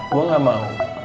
gue gak mau